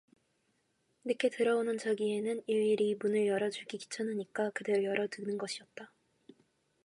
늦게 들어오는 자기에게 일일이 문을 열어 주기 귀찮으니까 그대로 열어 두는 것이었다.